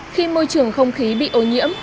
khi môi trường không khí bị ô nhiễm